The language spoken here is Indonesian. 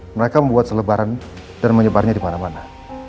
mereka membuat selebaran dan menyebarnya di mana mana